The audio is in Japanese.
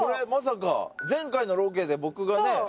前回のロケで僕が選んだ。